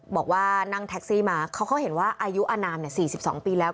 บอกว่านั่งแท็กซี่มาเขาก็เห็นว่าอายุอนาม๔๒ปีแล้ว